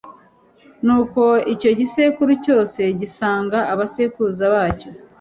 nuko icyo gisekuru cyose gisanga abasekuruza bacyo